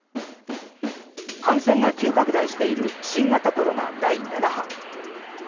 感染が急拡大している新型コロナ第７波。